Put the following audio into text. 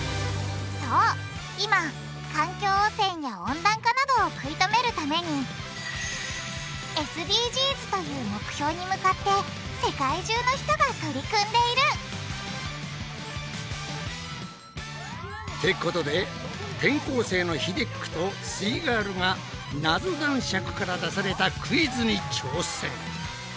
そう今環境汚染や温暖化などを食い止めるためにＳＤＧｓという目標に向かって世界中の人が取り組んでいる！ってことで転校生のひでっくとすイガールがナゾ男爵から出されたクイズに挑戦！